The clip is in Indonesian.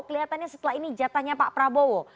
kelihatannya setelah ini jatahnya pak prabowo